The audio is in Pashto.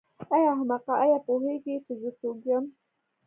ای احمقه آیا پوهېږې چې زه څوک یم.